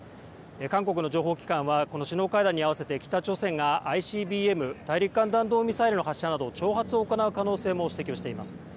韓国の情報機関は、この首脳会談に合わせて、北朝鮮がＩＣＢＭ・大陸間弾道ミサイルの発射など挑発を行う可能性も指摘をしています。